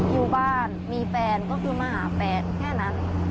อยู่บ้านมีแฟนก็คือมาหาแฟนแค่นั้น